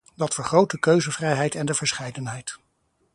Dat vergroot de keuzevrijheid en de verscheidenheid.